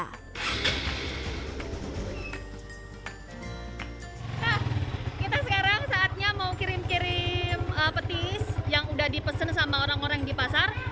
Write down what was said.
kita sekarang saatnya mau kirim kirim petis yang udah dipesan sama orang orang di pasar